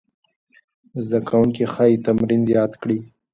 زده کوونکي ښايي تمرین زیات کړي.